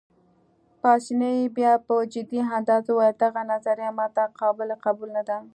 پاسیني بیا په جدي انداز وویل: دغه نظریه ما ته قابل قبول نه ده.